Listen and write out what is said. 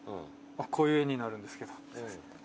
こういう絵になるんですけど。